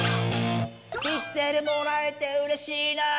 「ピクセルもらえてうれしいな」